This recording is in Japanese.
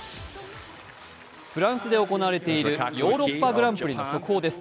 フランスで行われているヨーロッパ・グランプリの速報です。